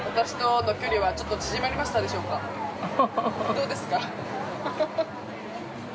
◆どうですか。